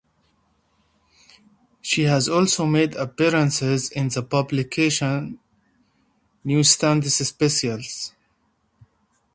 She has also made appearances in the publication's newsstand specials.